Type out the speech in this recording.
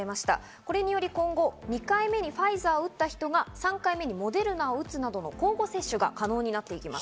これにより今後、２回目にファイザーを打った人が３回目にモデルナを打つなどの交互接種が可能になっていきます。